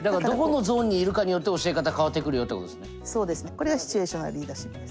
これがシチュエーショナルリーダーシップです。